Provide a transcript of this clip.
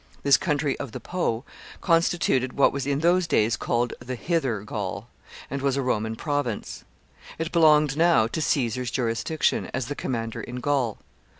This country of the Po constituted what was in those days called the hither Gaul, and was a Roman province. It belonged now to Caesar's jurisdiction, as the commander in Gaul.